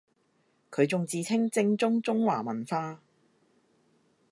佢仲自稱正宗中華文化